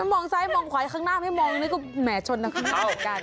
มองซ้ายมองขวาข้างหน้าไม่มองนี่ก็แหมชนนะข้างหน้า